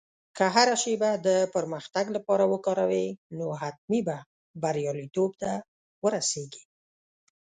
که هره شېبه د پرمختګ لپاره وکاروې، نو حتمي به بریالیتوب ته ورسېږې.